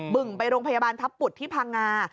ึ่งไปโรงพยาบาลทัพบุตรที่พังงา